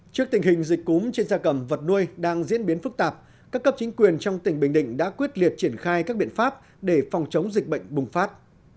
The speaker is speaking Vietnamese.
trước tình hình dịch cúm trên da cầm vật nuôi đang diễn biến phức tạp các cấp chính quyền trong tỉnh bình định đã quyết liệt triển khai các biện pháp để phòng chống dịch bệnh bùng phát